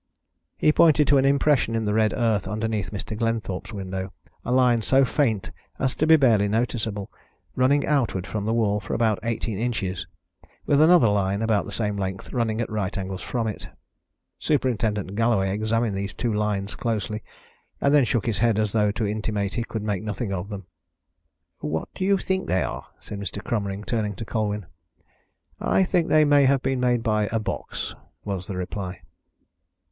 He pointed to an impression in the red earth underneath Mr. Glenthorpe's window a line so faint as to be barely noticeable, running outward from the wall for about eighteen inches, with another line about the same length running at right angles from it. Superintendent Galloway examined these two lines closely and then shook his head as though to intimate he could make nothing of them. "What do you think they are?" said Mr. Cromering, turning to Colwyn. "I think they may have been made by a box," was the reply.